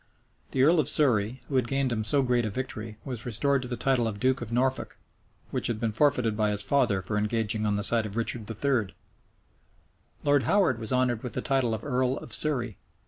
The earl of Surrey, who had gained him so great a victory, was restored to the title of duke of Norfolk, which had been forfeited by his father for engaging on the side of Richard III. {1514.} Lord Howard was honored with the title of earl of Surrey.